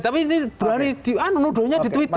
tapi ini berani menuduhnya di twitter